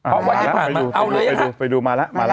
อ่าไปดูไปดูไปดูมาแล้วมาแล้ว